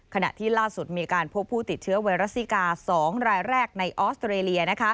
ขณะที่ล่าสุดมีการพบผู้ติดเชื้อไวรัสซิกา๒รายแรกในออสเตรเลีย